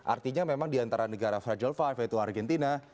artinya memang di antara negara fragil five yaitu argentina